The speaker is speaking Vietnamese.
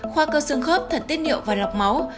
khoa cơ sương khớp thần tiết niệu và lọc máu